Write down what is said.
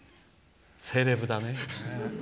セレブだね。